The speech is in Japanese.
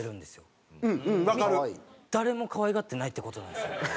誰も可愛がってないって事なんですよ。